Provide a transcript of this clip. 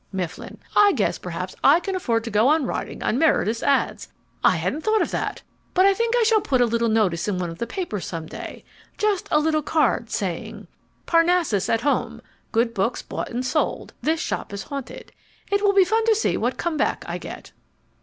MIFFLIN I guess perhaps I can afford to go on riding on Meredith's ads. I hadn't thought of that. But I think I shall put a little notice in one of the papers some day, just a little card saying PARNASSUS AT HOME GOOD BOOKS BOUGHT AND SOLD THIS SHOP IS HAUNTED It will be fun to see what come back I get.